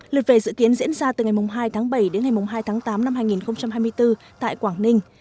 lượt về dự kiến diễn ra từ ngày hai tháng bảy đến ngày hai tháng tám năm hai nghìn hai mươi bốn tại quảng ninh